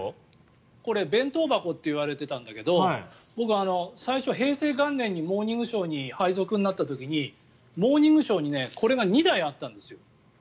これ、弁当箱って言われていたんだけど僕は最初、平成元年に「モーニングショー」に配属になった時に「モーニングショー」にこれが２台あったんですよ。